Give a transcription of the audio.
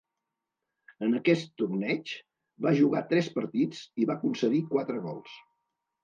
En aquest torneig, va jugar tres partits i va concedir quatre gols.